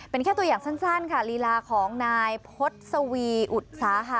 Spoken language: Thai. เป็นแค่ตัวอย่างสั้นค่ะลีลาของนายพฤษวีอุตสาหะ